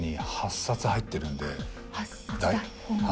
８冊台本が？